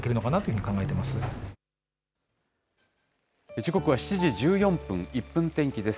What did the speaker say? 時刻は７時１４分、１分天気です。